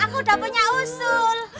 aku udah punya usul